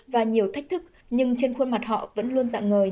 và nhiều thách thức nhưng trên khuôn mặt họ vẫn luôn dạng ngời